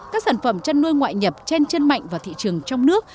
các sản phẩm chăn nuôi ngoại nhập chen chân mạnh vào thị trường trong nước